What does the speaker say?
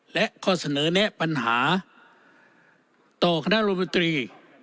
และข้อเสนอแนะปัญหาต่อคณะโรงพิวเตอรี่